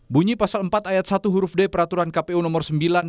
bunyi pasal empat ayat satu huruf d peraturan kpu nomor sembilan